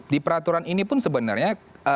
di peraturan ini pun sebenarnya